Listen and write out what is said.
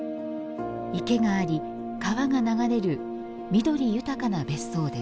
池があり川が流れる緑豊かな別荘です。